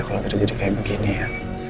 kalau tidak jadi kayak begini ya